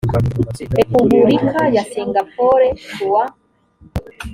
repubulika ya singapore ku wa